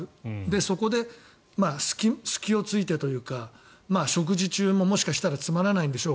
そこで隙を突いてというか食事中も、もしかしたらつまらないんでしょう